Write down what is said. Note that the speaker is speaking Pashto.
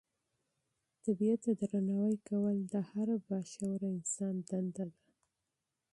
طبیعت ته درناوی کول د هر با شعوره انسان دنده ده.